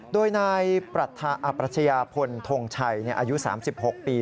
โดยนายอปรัชญาพลทงชัยอายุ๓๖ปี